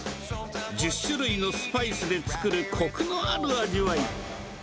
１０種類のスパイスで作るこくのある味わい。